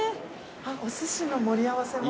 おすしの盛り合わせも。